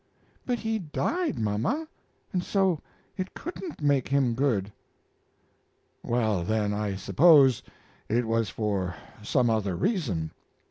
"But he died, mama, and so it couldn't make him good." "Well, then, I suppose it was for some other reason.